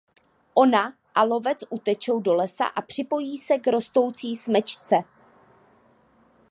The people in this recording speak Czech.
Ona a lovec utečou do lesa a připojí se k rostoucí smečce.